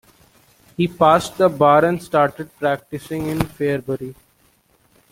He passed the bar and started practicing in Fairbury.